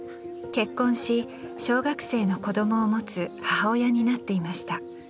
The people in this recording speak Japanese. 結婚し小学生の子どもを持つ母親になっていました。